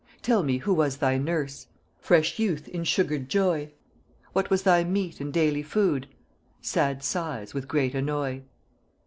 "Tell me who was thy nurse?" "Fresh Youth in sugred joy." "What was thy meat and daily food?" "Sad sighs with great annoy."